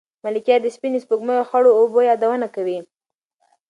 ملکیار د سپینې سپوږمۍ او خړو اوبو یادونه کوي.